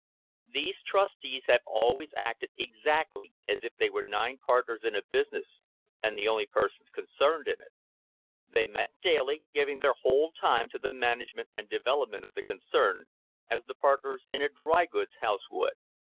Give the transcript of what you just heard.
These trustees have always acted exactly as if they were nine partners in a business, and the only persons concerned in it. They met daily, giving their whole time to the management and devel opment of the concern, as the partners in a dry goods house would.